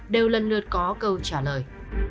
đều lần lượt có câu trả lời